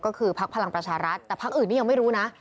ก็คือพักพลังประชารัฐแต่พักอื่นนี่ยังไม่รู้นะ